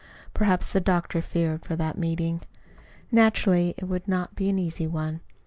Perhaps the doctor feared for that meeting. Naturally it would not be an easy one.